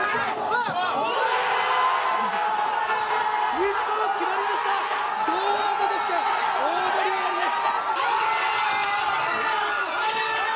日本決まりました堂安が決めた、大盛り上がりです。